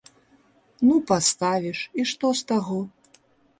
Ну, паставіш, і што з таго?